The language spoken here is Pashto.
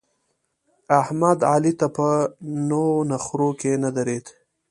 احمد؛ علي ته په نو نخرو کې نه درېد.